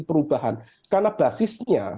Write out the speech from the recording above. perubahan karena basisnya